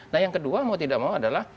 nah yang kedua mau tidak mau adalah